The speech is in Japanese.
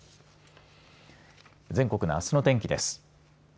全国のあすの天気です。